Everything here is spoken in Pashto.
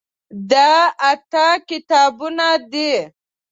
دا اته کتابونه دي.